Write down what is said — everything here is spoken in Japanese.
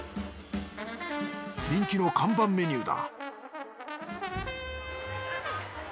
人気の看板メニューだ